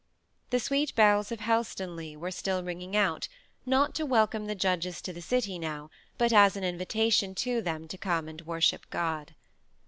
The sweet bells of Helstonleigh were still ringing out, not to welcome the judges to the city now, but as an invitation to them to come and worship God.